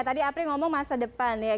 tadi apri ngomong masa depan ya